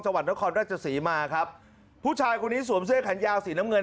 วัดนครราชศรีมาครับผู้ชายคนนี้สวมเสื้อแขนยาวสีน้ำเงิน